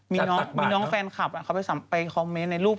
มีน้องแฟนคลับเขาไปคอมเมนต์ในรูป